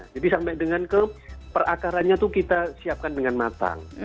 jadi sampai dengan keperakarannya itu kita siapkan dengan matang